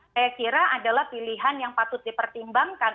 saya kira adalah pilihan yang patut dipertimbangkan